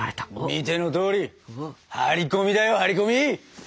見てのとおり張り込みだよ張り込み。